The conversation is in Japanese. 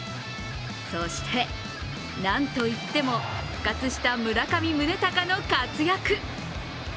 そして、なんといっても復活した村上宗隆の活躍。